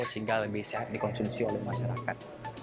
sehingga lebih sehat dikonsumsi oleh masyarakat